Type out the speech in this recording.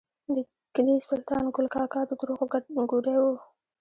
د کلي سلطان ګل کاکا د دروغو ګوډی و.